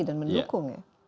dan mendukung ya